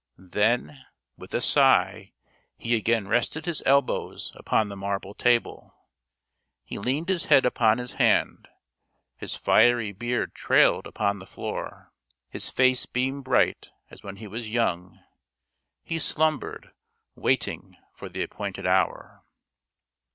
Then, with a sigh, he again rested his elbows upon the marble table. He leaned his head upon his hand. His fiery beard trailed upon the floor ; his face beamed bright as when he was young; he slumbered, waiting for the appointed hour.